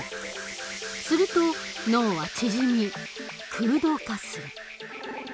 すると脳は縮み空洞化する。